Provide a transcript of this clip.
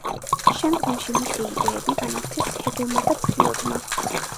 შემდგომში მისი იდეები განავრცეს ჰეგელმა და ფროიდმა.